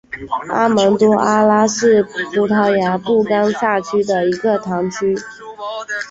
阿门多埃拉是葡萄牙布拉干萨区的一个堂区。